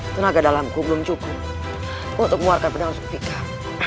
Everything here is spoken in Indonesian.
tenaga dalamku belum cukup untuk mengeluarkan pedang sulfikar